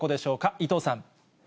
伊藤さん。